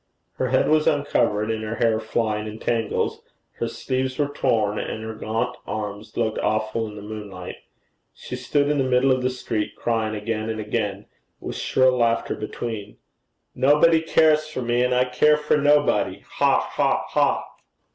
Her head was uncovered, and her hair flying in tangles; her sleeves were torn, and her gaunt arms looked awful in the moonlight. She stood in the middle of the street, crying again and again, with shrill laughter between, 'Nobody cares for me, and I care for nobody! Ha! ha!